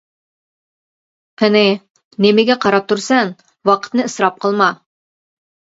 قېنى، نېمىگە قاراپ تۇرىسەن، ۋاقىتنى ئىسراپ قىلما!